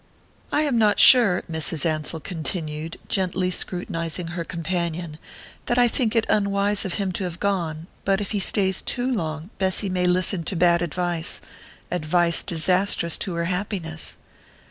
"I am not sure," Mrs. Ansell continued, gently scrutinizing her companion, "that I think it unwise of him to have gone; but if he stays too long Bessy may listen to bad advice advice disastrous to her happiness."